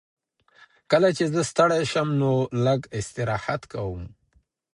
کله چې زه ستړی شم نو لږ استراحت کوم.